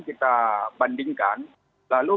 kita bandingkan lalu